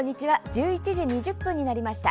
１１時２０分になりました。